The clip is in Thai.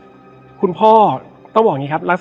และวันนี้แขกรับเชิญที่จะมาเชิญที่เรา